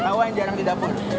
tahu yang jarang di dapur